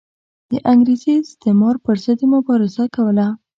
د انګریزي استعمار پر ضد یې مبارزه کوله.